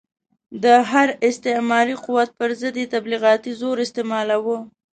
د هر استعماري قوت پر ضد یې تبلیغاتي زور استعمالاوه.